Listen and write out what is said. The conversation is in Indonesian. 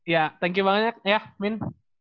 ya thank you banyak ya min